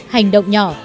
hành động nhỏ